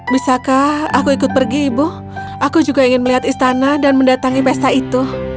bisakah aku ikut pergi ibu aku juga ingin melihat istana dan mendatangi pesta itu